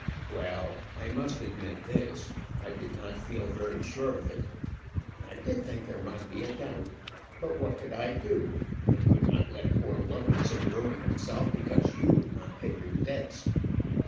"Well, I must admit this, I did not feel very sure of it; I did think there might be a doubt. But what could I do? I could not let poor Wilkinson ruin himself because you would not pay your debts."